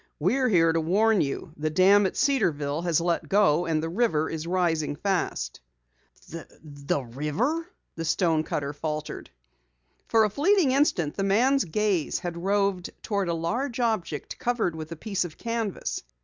"We're here to warn you! The dam at Cedarville has let go, and the river is rising fast." "The river " the stonecutter faltered. For a fleeting instant the man's gaze had roved toward a large object covered with a piece of canvas.